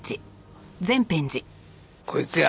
こいつや！